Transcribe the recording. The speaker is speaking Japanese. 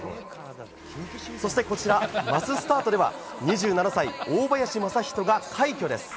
そしてマススタートでは２７歳、大林昌仁が快挙です。